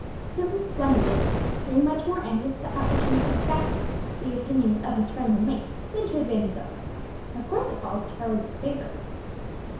He was a splendid listener, being much more anxious to ascertain exactly the opinions of his friends and mates than to advance his own. Of course it followed that Charlie was a favourite.